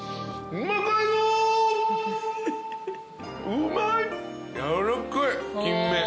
うまい！